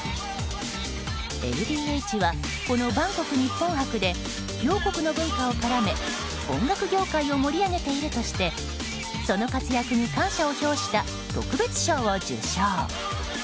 ＬＤＨはこのバンコク日本博で両国の文化を絡め音楽業界を盛り上げているとしてその活躍に感謝を表した特別賞を受賞。